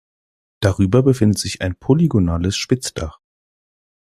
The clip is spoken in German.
Darüber befindet sich ein polygonales Spitzdach.